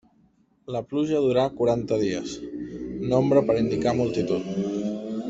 La pluja durà quaranta dies, nombre per indicar multitud.